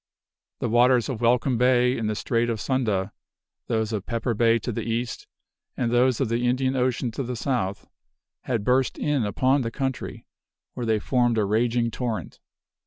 "The waters of Welcome Bay, in the Strait of Sunda, those of Pepper Bay to the east, and those of the Indian Ocean to the south, had burst in upon the country, where they formed a raging torrent."